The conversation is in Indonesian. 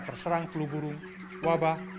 terjadi serang flu burung wabah